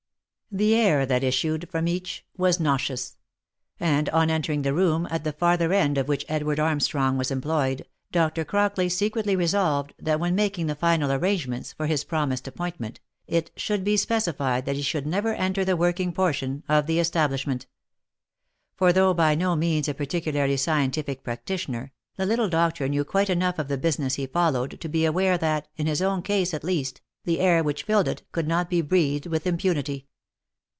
The air that issued from each, was nauseous ; and on entering the room, at the farther end of which Edward Armstrong was em G 82 THE LIFE AND ADVENTURES ployed, Dr. Crockley secretly resolved, that when making the final arrangements for his promised appointment, it should be specified that he should never enter the working portion of the establishment. For though by no means a particularly scientific practitioner, the little doctor knew quite enough of the business he followed, to be aware that, in his own case at least, the air which filled it, could not be breathed with impunity.)